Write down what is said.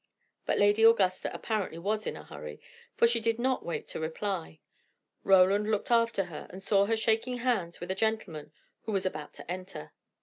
But Lady Augusta apparently was in a hurry, for she did not wait to reply. Roland looked after her, and saw her shaking hands with a gentleman, who was about to enter.